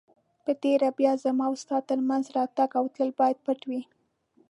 په تېره بیا زما او ستا تر مینځ راتګ او تلل باید پټ وي.